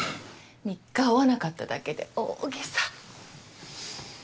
３日会わなかっただけで大げさ。